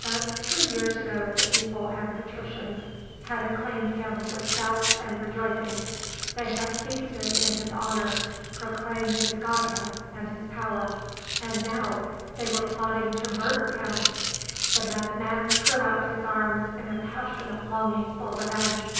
But three years ago the people and patricians had acclaimed him with shouts and rejoicings; they had feasted in his honour, proclaimed his godhead and his power, and now they were plotting to murder him! The madman threw out his arms in a passionate longing for revenge.